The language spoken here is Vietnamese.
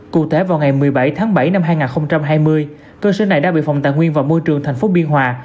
cụ thể vào ngày một mươi bảy tháng bảy năm hai nghìn hai mươi cơ sở này đã bị phòng tài nguyên và môi trường tp biên hòa